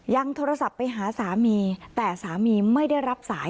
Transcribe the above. โทรศัพท์ไปหาสามีแต่สามีไม่ได้รับสาย